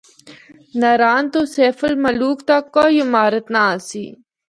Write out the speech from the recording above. ناران تو سیف الملوک تک کوئی عمارت نہ آسی۔